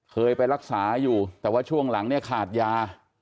เคยไปรักษาอยู่แต่ว่าช่วงหลังเนี่ยขาดยา